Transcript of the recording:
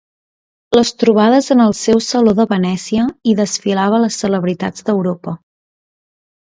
Les trobades en el seu Saló de Venècia hi desfilava les celebritats d'Europa.